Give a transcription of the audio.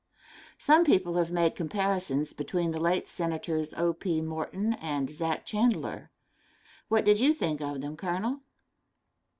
Some people have made comparisons between the late Senators O. P. Morton and Zach. Chandler. What did you think of them, Colonel?